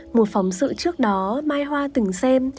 một phóng sự trước đó mai hoa từng xem